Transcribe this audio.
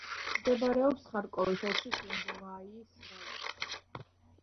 მდებარეობს ხარკოვის ოლქის ლოზოვაიის რაიონში.